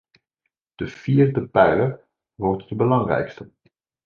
De vierde pijler wordt de belangrijkste.